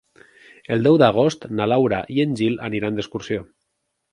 El deu d'agost na Laura i en Gil aniran d'excursió.